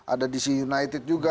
ada dc united juga